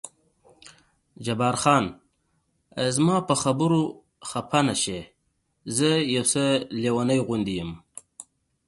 جبار خان: زما په خبرو خفه نه شې، زه یو څه لېونی غوندې یم.